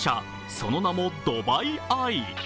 その名も、ドバイ・アイ。